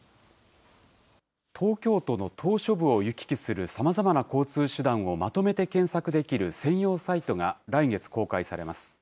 東京都の島しょ部を行き来するさまざまな交通手段をまとめて検索できる専用サイトが、来月公開されます。